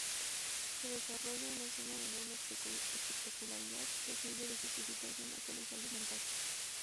Se desarrolla una escena de enorme espectacularidad que sirve de justificación a colosales montajes.